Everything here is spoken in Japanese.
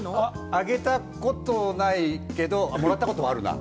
あげたことないけど、もらったことはあるな。